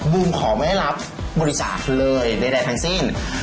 บูมขอไม่รับบริจาคเลยใดทั้งสิ้น